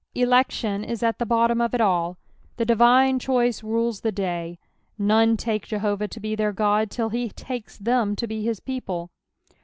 ^' Election is at the bottom of it alL The divine choice ruica the day ; none take PSALV THE THIBTT TniBD. 110 1 to be their Qod till he takes them to be hie people.